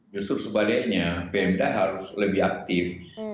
justru sebaliknya pmda harus lebih aktif